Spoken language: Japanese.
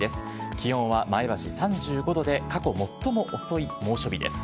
気温は前橋３５度で、過去最も遅い猛暑日です。